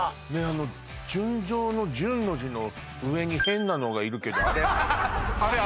あの「純情」の「純」の字の上に変なのがいるけどあれ